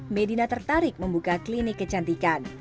medina tertarik membuka klinik kecantikan